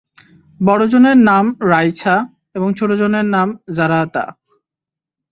বড়জনের নাম রায়ছা এবং ছোট জনের নাম যারাতা।